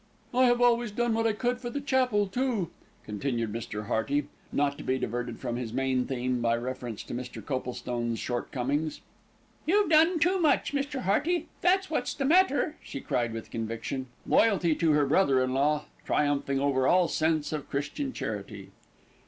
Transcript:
"I have always done what I could for the chapel, too," continued Mr. Hearty, not to be diverted from his main theme by reference to Mr. Coplestone's shortcomings. "You've done too much, Mr. Hearty, that's what's the matter," she cried with conviction, loyalty to her brother in law triumphing over all sense of Christian charity.